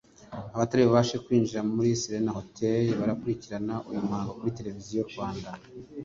Abatari bubashe kwinjira muri Serena Hotel barakurikirana uyu muhango kuri televiziyo y’u Rwanda